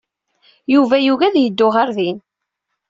Yuba yugi ad yeddu ɣer din.